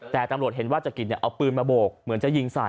แต่ตำรวจเห็นว่าจักริตเอาปืนมาโบกเหมือนจะยิงใส่